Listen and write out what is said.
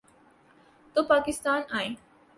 تو پاکستان آئیں۔